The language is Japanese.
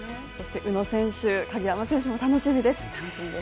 そして宇野選手、鍵山選手も楽しみです。